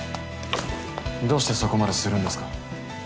どうしてそこまでするんですか？